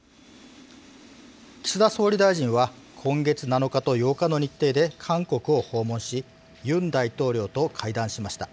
岸田総理大臣は今月７日と８日の日程で韓国を訪問しユン大統領と会談しました。